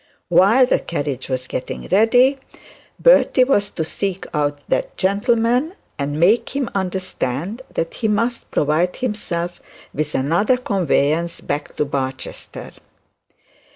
While the carriage was getting ready, Bertie was to seek out that gentleman and make him understand that he must provide himself with another conveyance back to Barchester.